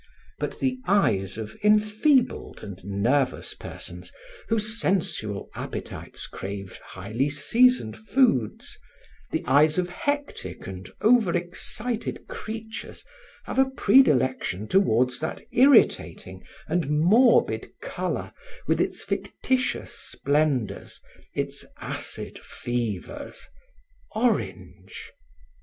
But the eyes of enfeebled and nervous persons whose sensual appetites crave highly seasoned foods, the eyes of hectic and over excited creatures have a predilection toward that irritating and morbid color with its fictitious splendors, its acid fevers orange.